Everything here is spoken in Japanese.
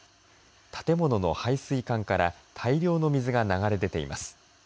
建物の配水管から大量の水が流れ出ています。